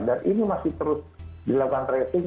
dan ini masih terus dilakukan tracing